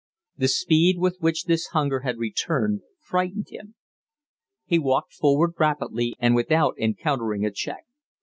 The speed with which this hunger had returned frightened him. He walked forward rapidly and without encountering a check.